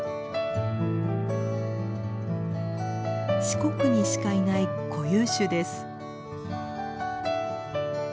四国にしかいない固有種です。